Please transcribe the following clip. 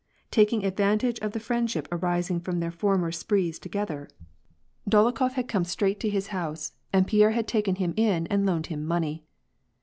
Taking advantage of the friendship arising from their former sprees together, Dolokhof had come I WAR AND PEACE. 21 straight to his house, and Pierre had taken him in and loaned him money.